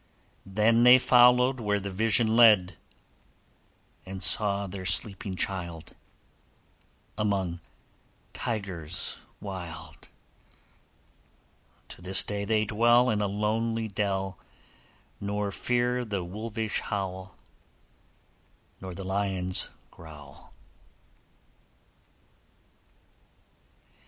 Then they followèd Where the vision led, And saw their sleeping child Among tigers wild. To this day they dwell In a lonely dell, Nor fear the wolvish howl Nor the lion's growl.